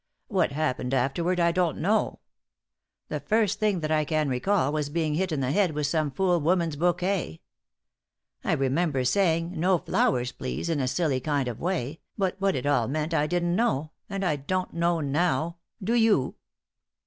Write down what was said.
What happened afterward I don't know. The first thing that I can recall was being hit in the head with some fool woman's bouquet. I remember saying, 'No flowers, please,' in a silly kind of way, but what it all meant I didn't know, and I don't know now. Do you?"